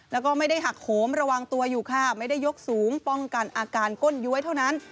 แล้วก็ไม่ได้หักโหมระวังตัวอยู่ค่ะไม่ได้ยกสูงป้องกันอาการก้นย้วยเท่านั้น